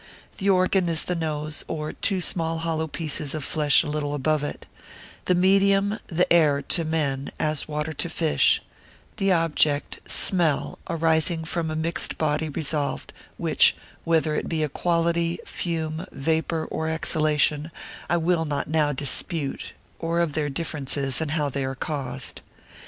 The organ in the nose, or two small hollow pieces of flesh a little above it: the medium the air to men, as water to fish: the object, smell, arising from a mixed body resolved, which, whether it be a quality, fume, vapour, or exhalation, I will not now dispute, or of their differences, and how they are caused.